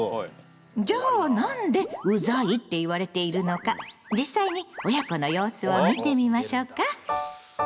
じゃあなんで「うざい」って言われているのか実際に親子の様子を見てみましょうか！